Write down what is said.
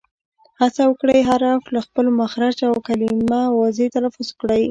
هڅه وکړئ، هر حرف له خپل مخرج او کلیمه واضیح تلفظ کړئ!